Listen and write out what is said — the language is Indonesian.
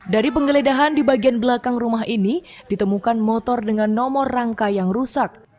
dari penggeledahan di bagian belakang rumah ini ditemukan motor dengan nomor rangka yang rusak